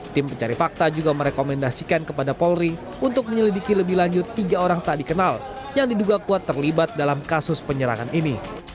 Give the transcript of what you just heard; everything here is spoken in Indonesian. tim pencari fakta juga merekomendasikan kepada polri untuk menyelidiki lebih lanjut tiga orang tak dikenal yang diduga kuat terlibat dalam kasus penyerangan ini